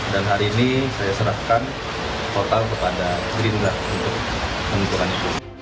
dan hari ini saya serahkan total kepada gerindra untuk penutupannya